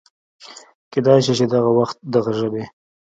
کېدی شي چې دغه وخت دغه ژبې